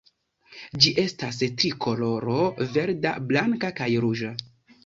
Ĝi estas trikoloro verda, blanka kaj ruĝa.